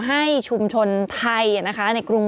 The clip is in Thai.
มีสารตั้งต้นเนี่ยคือยาเคเนี่ยใช่ไหมคะ